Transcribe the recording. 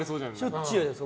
しょっちゅうです。